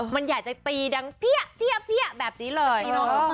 มันอยากจะตีดังเพี้ยแบบนี้เลย